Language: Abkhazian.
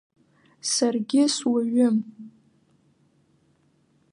Саргьы суаҩым.